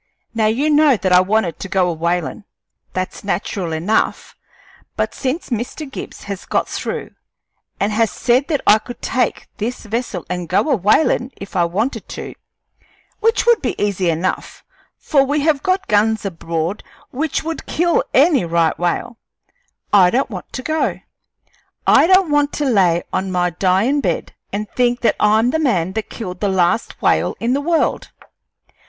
Now you know that I wanted to go a whalin' that's natural enough but since Mr. Gibbs has got through, and has said that I could take this vessel an' go a whalin' if I wanted to which would be easy enough, for we have got guns aboard which would kill any right whale I don't want to go. I don't want to lay on my dyin' bed an' think that I'm the man that killed the last whale in the world.